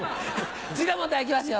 次の問題いきますよ